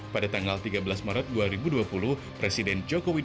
pada tanggal tiga belas maret dua ribu dua puluh